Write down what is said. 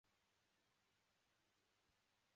小花鬼针草是菊科鬼针草属的植物。